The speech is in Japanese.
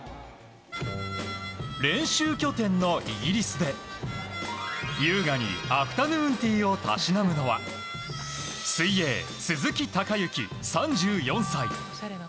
練習拠点のイギリスで優雅にアフタヌーンティーをたしなむのは水泳・鈴木孝幸、３４歳。